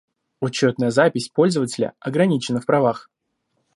Учетная запись пользователя ограничена в правах